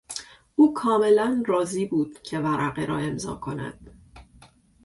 او کاملا راضی بود که ورقه را امضا کند.